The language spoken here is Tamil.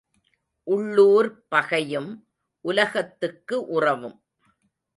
உள்ளூர்ப் பகையும் உலகத்துக்கு உறவும்.